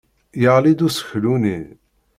Yeɣli-d useklu-nni.